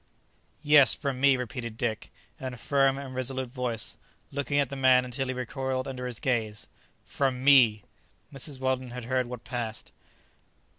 "Yes, from me," repeated Dick, in a firm and resolute voice, looking at the man until he recoiled under his gaze. "From me." Mrs. Weldon had heard what passed.